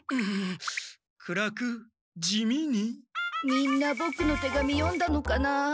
みんなボクの手紙読んだのかな？